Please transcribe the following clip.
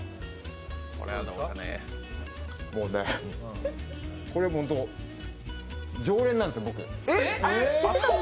もうねこれホント、常連なんです、僕。